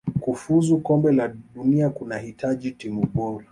kufuzu kombe la dunia kunahitaji timu bora